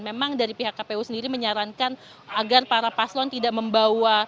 memang dari pihak kpu sendiri menyarankan agar para paslon tidak membawa